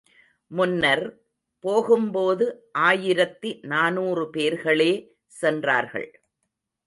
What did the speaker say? முன்னர், போகும் போது ஆயிரத்தி நானூறு பேர்களே சென்றார்கள்.